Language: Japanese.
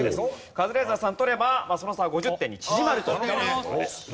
カズレーザーさん取ればその差は５０点に縮まるという事です。